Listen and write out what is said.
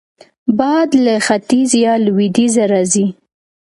باد له ختیځ یا لوېدیځه راځي